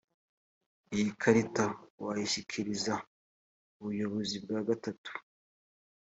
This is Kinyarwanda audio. iyi karita wayishyikiriza ubuyobozi bwa gatatu